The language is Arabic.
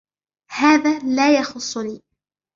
هذا لا يخصني.